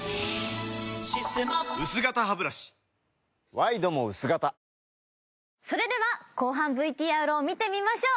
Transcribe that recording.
ワイドも薄型それでは後半ＶＴＲを見てみましょう。